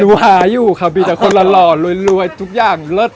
วาอยู่ค่ะมีแต่คนละหล่อรวยทุกอย่างเลิศ